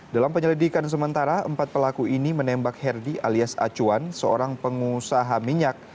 dalam penyelidikan sementara empat pelaku ini menembak herdi alias acuan seorang pengusaha minyak